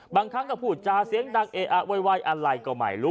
บางครั้งก็พูดจาเสียงดังเออะโวยวายอะไรก็ไม่รู้